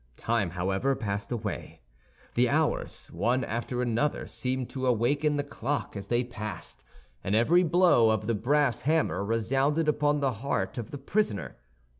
Time, however, passed away; the hours, one after another, seemed to awaken the clock as they passed, and every blow of the brass hammer resounded upon the heart of the prisoner.